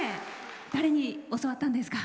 誰に教わったんですか？